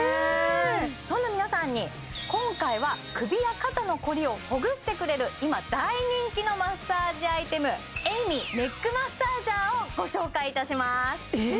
そんな皆さんに今回は首や肩の凝りをほぐしてくれる今大人気のマッサージアイテムをご紹介いたしますえっ